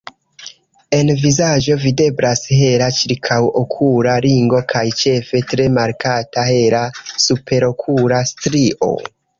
En vizaĝo videblas hela ĉirkaŭokula ringo kaj ĉefe tre markata hela superokula strio.